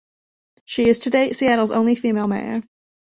She is to date Seattle's only female mayor.